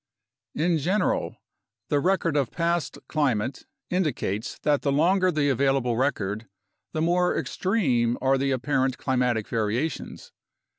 In general, the record of past climate indicates that the longer the available record, the more extreme are the apparent climatic variations.